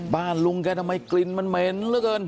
บ้านลุงแกทำไมกลิ่นมันเหม็นเหลือเกิน